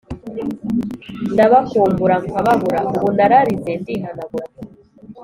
Ndabakumbura nkababura ubu nararize ndihanagura